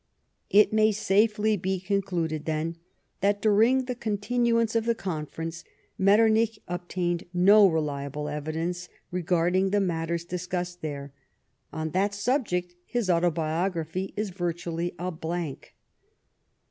It may safely be concluded, then, that during the continuance of the conference, Metternich obtained no reliable evidence regarding the matters discussed there. On that subject his Autobiography is virtually a blank.